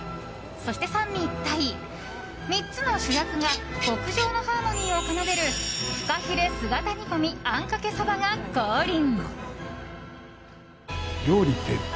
そして三位一体３つの主役が極上のハーモニーを奏でるフカヒレ姿煮込みあんかけそばが降臨。